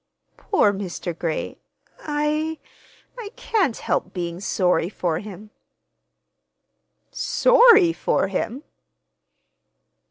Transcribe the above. "Poor Mr. Gray! I—I can't help being sorry for him." "Sorry for him!"